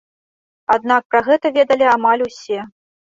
Аднак пра гэта ведалі амаль усе.